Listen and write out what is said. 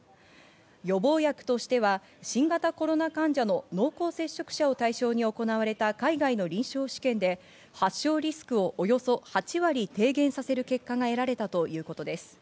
予防薬としては新型コロナ患者の濃厚接触者を対象に行われた海外の臨床試験で発症リスクをおよそ８割低減させる結果が得られたということです。